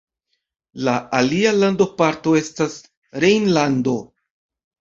La alia landoparto estas Rejnlando.